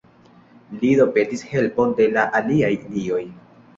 Li do petis helpon de la aliaj dioj.